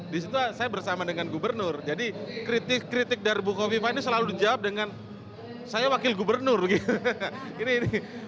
disitu saya bersama dengan gubernur jadi kritik dari buko viva ini selalu dijawab dengan saya wakil gubernur begitu ya